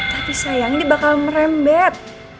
tapi sayang ini bakal merembet